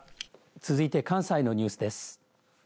続いて関西のニュースです。